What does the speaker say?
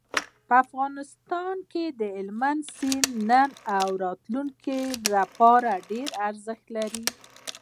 په افغانستان کې هلمند سیند د نن او راتلونکي لپاره ارزښت لري.